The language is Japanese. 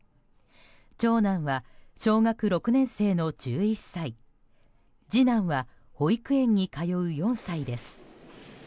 長男は小学６年生の１１歳次男は保育園に通う４歳です。